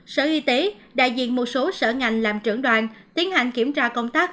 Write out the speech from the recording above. sở y tế đại diện một số sở ngành làm trưởng đoàn tiến hành kiểm tra công tác